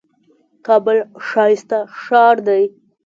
کابل ښايسته ښار دئ.